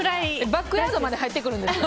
バックヤードまで入ってくるんですか。